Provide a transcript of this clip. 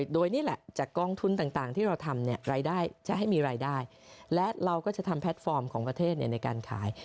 โดยนี่แหละจากกองทุนต่างที่เราทำรายได้จะให้มีรายได้และเราก็จะทำแพลตฟอร์มของประเทศในการขาย